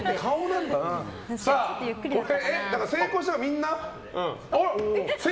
成功したのはみんな？